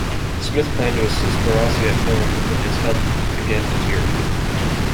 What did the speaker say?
Smith planned to assist Barassi at North when his health again deteriorated.